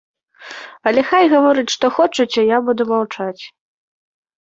Але хай гавораць, што хочуць, а я буду маўчаць.